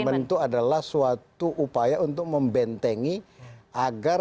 containment itu adalah suatu upaya untuk membentengi agar